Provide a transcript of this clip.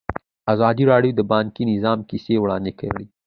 ازادي راډیو د بانکي نظام کیسې وړاندې کړي.